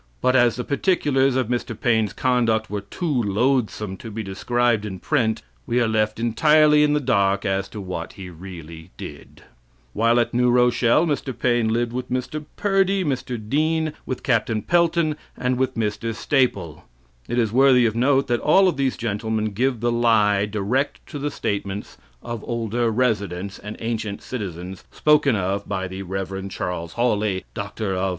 But as the particulars of Mr. Paine's conduct "were too loathsome to be described in print," we are left entirely in the dark as to what he really did. While at New Rochelle, Mr. Paine lived with Mr. Purdy, Mr. Dean, with Capt. Pelton, and with Mr. Staple. It is worthy of note that all of these gentlemen give the lie direct to the statements of "older residents" and ancient citizens spoken of by the Rev. Charles Hawley, D.D.